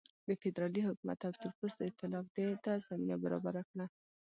د فدرالي حکومت او تورپوستو اېتلاف دې ته زمینه برابره کړه.